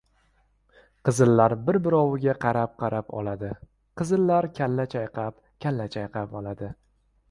Qizillar bir-biroviga qarab-qarab oladi. Qizillar kalla chayqab-kalla chayqab oladi.